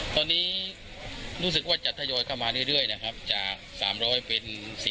ตอนนี้รู้สึกว่าจะทยอยเข้ามาเรื่อยนะครับจาก๓๐๐เป็น๔๐